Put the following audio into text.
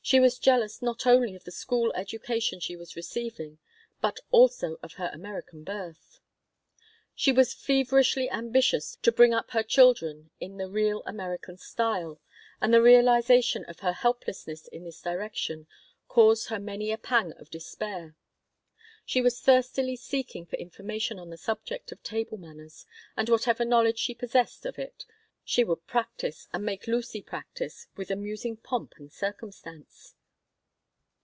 She was jealous not only of the school education she was receiving, but also of her American birth She was feverishly ambitious to bring up her children in the "real American syle," and the realization of her helplessness in this direction caused her many a pang of despair. She was thirstily seeking for information on the subject of table manners, and whatever knowledge she possessed of it she would practise, and make Lucy practise, with amusing pomp and circumstance.